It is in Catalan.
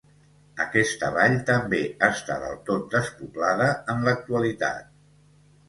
Aquesta vall també està del tot despoblada en l'actualitat.